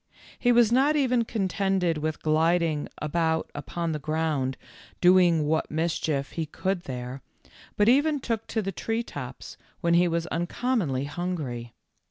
He was not even contented with ^lidins; about upon the ground, doing what mischief 80 THE END OF BLACK LIGHTNING. 81 he could there, but even took to the tree tops when he was uncommonly hungry.